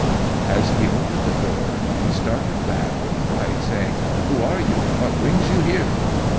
As he opened the door he started back with fright, saying, Who are you and what brings you here?"